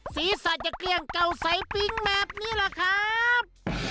ศีรษะจะเกลี้ยงเก่าใสปิ๊งแบบนี้แหละครับ